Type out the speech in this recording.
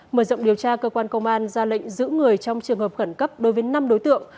mở rộng điều tra cơ quan công an ra lệnh giữ người trong trường hợp khẩn cấp đối với năm đối tượng